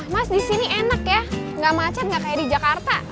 mas di sini enak ya nggak macet gak kayak di jakarta